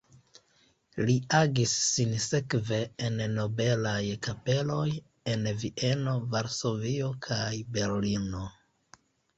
Li agis sinsekve en nobelaj kapeloj en Vieno, Varsovio kaj Berlino.